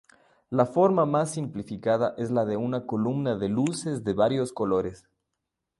La forma más simplificada es la de una columna de luces de varios colores.